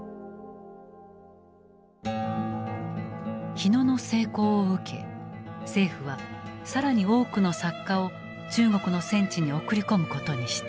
火野の成功を受け政府は更に多くの作家を中国の戦地に送り込むことにした。